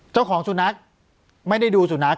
เจ้าของสุนัขไม่ได้ดูสุนัข